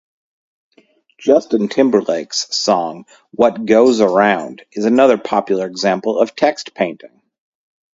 Justin Timberlake's song "What goes around" is another popular example of text painting.